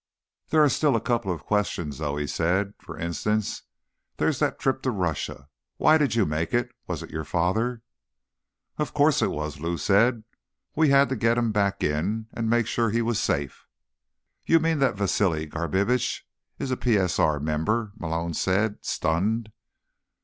"There are still a couple of questions, though," he said. "For instance, there's that trip to Russia. Why did you make it? Was it your father?" "Of course it was," Lou said. "We had to get him back in and make sure he was safe." "You mean that Vasili Garbitsch is a PSR member?" Malone said, stunned.